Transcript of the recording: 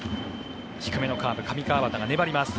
低めのカーブ上川畑が粘ります。